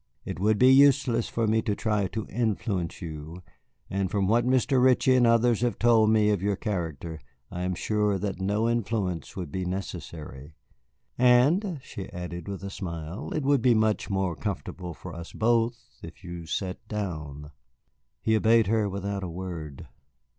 It would be useless for me to try to influence you, and from what Mr. Ritchie and others have told me of your character I am sure that no influence will be necessary. And," she added, with a smile, "it would be much more comfortable for us both if you sat down." He obeyed her without a word.